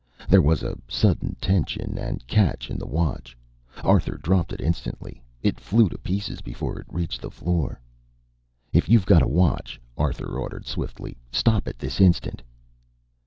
There was a sudden tension and catch in the watch. Arthur dropped it instantly. It flew to pieces before it reached the floor. "If you've got a watch," Arthur ordered swiftly, "stop it this instant!"